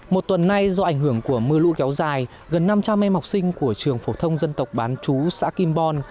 một tuần nay do ảnh hưởng của mưa lũ kéo dài gần năm trăm linh em học sinh của trường phổ thông dân tộc bán chú xã kim bon